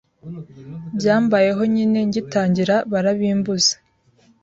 Byambayeho nyine ngitangira barabimbuza